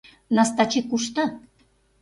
Настачи кушто?